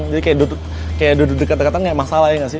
jadi kayak duduk dekat dekatan gak masalah ya gak sih